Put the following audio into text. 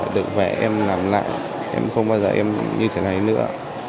có vẻ em làm lại em không bao giờ em như thế này nữa